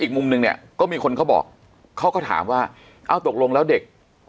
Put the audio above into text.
อีกมุมนึงเนี่ยก็มีคนเขาบอกเขาก็ถามว่าเอ้าตกลงแล้วเด็ก